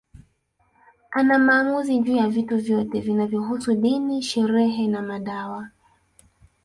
Ana maamuzi juu ya vitu vyote vinavyohusu dini sherehe na madawa